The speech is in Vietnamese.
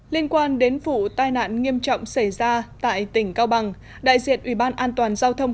liên quan đến vụ tai nạn nghiêm trọng xảy ra tại tỉnh cao bằng đại diện ủy ban an toàn giao thông